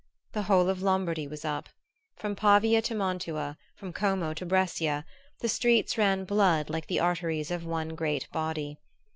The whole of Lombardy was up. From Pavia to Mantua, from Como to Brescia, the streets ran blood like the arteries of one great body.